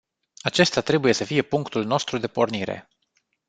Acesta trebuie să fie punctul nostru de pornire.